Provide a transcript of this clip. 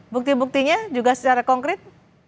bukti buktinya juga secara konkret